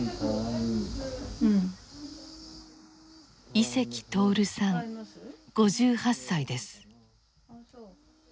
井関徹さん５８歳です。